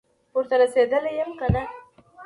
ورته رسېدلی یم که نه،